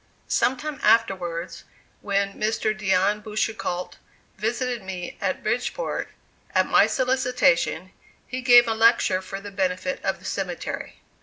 Some time afterwards, when Mr. Dion Boucicault visited me at Bridgeport, at my solicitation he gave a lecture for the benefit of this cemetery.